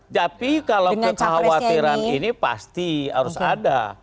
tapi kalau kekhawatiran ini pasti harus ada